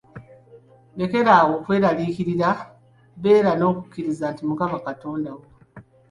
Lekera awo okweraliikirira, beera n’okukiriza nti Mukama Katonda wo.